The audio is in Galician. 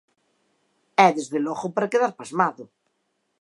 É, desde logo, para quedar pasmado.